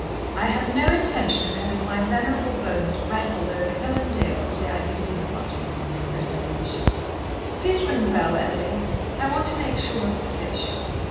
"I have no intention of having my venerable bones rattled over hill and dale the day I give a dinner party," said her ladyship. "Please ring the bell, Emily. I want to make sure of the fish.